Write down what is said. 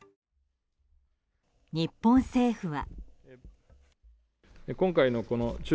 日本政府は。